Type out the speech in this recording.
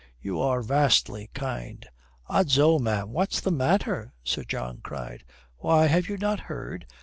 "You are vastly kind." "Odso, ma'am, what's the matter?" Sir John cried. "Why, have you not heard?